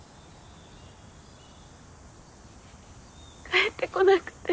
帰ってこなくて。